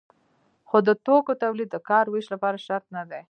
خو د توکو تولید د کار ویش لپاره شرط نه دی.